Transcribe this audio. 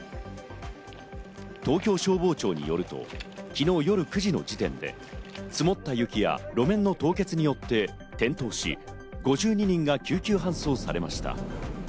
東京消防庁によると、昨日夜９時の時点で積もった雪や路面の凍結によって転倒し、５２人が救急搬送されました。